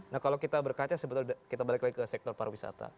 nah kalau kita berkaca sebetulnya kita balik lagi ke sektor pariwisata